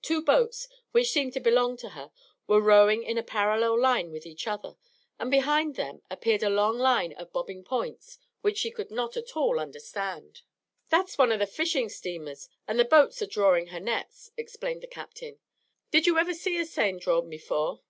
Two boats, which seemed to belong to her, were rowing in a parallel line with each other, and behind them appeared a long line of bobbing points which she could not at all understand. "That's one of the fishing steamers, and the boats are drawing her nets," explained the Captain. "Didn't you ever see a seine drawn before?